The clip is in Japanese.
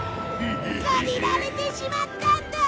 借りられてしまったんだ！